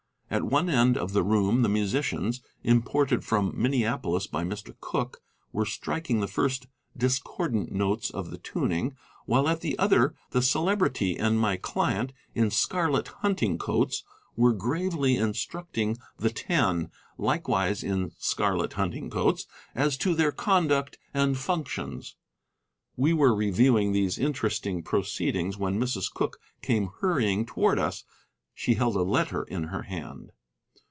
At one end of the room the musicians, imported from Minneapolis by Mr. Cooke, were striking the first discordant notes of the tuning, while at the other the Celebrity and my client, in scarlet hunting coats, were gravely instructing the Ten, likewise in scarlet hunting coats, as to their conduct and functions. We were reviewing these interesting proceedings when Mrs. Cooke came hurrying towards us. She held a letter in her hand.